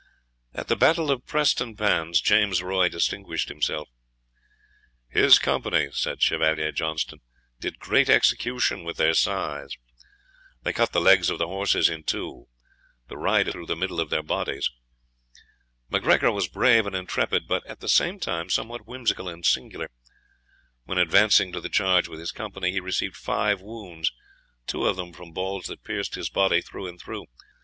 At the battle of Prestonpans, James Roy distinguished himself. "His company," says Chevalier Johnstone, "did great execution with their scythes." They cut the legs of the horses in two the riders through the middle of their bodies. MacGregor was brave and intrepid, but at the same time, somewhat whimsical and singular. When advancing to the charge with his company, he received five wounds, two of them from balls that pierced his body through and through.